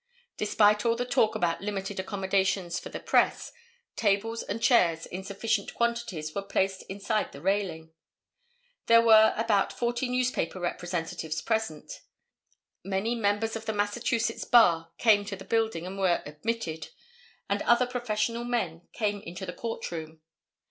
Despite all the talk about limited accommodations for the press, tables and chairs in sufficient quantities were placed inside the railing. There were about forty newspaper representatives present. Many members of the Massachusetts bar came to the building and were admitted, and other professional men came into the court room.